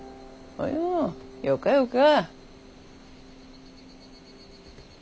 およよかよか。